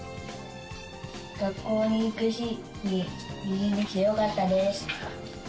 学校に行く日にぎりぎりできてよかったです。